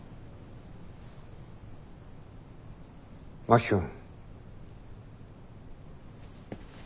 真木君。